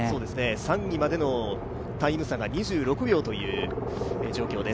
３位までのタイム差が２６秒という状況です。